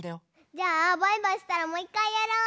じゃあバイバイしたらもういっかいやろう！